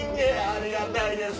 ありがたいです